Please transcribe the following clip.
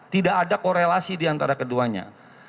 tidak ada korelasi diantara keduanya